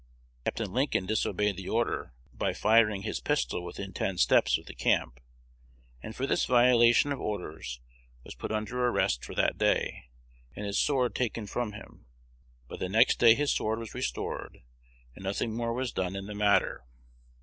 Capt. Lincoln disobeyed the order by firing his pistol within ten steps of the camp, and for this violation of orders was put under arrest for that day, and his sword taken from him; but the next day his sword was restored, and nothing more was done in the matter."